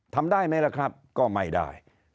ทำได้ไหมล่ะครับก็ไม่ได้